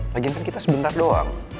lagi kan kita sebentar doang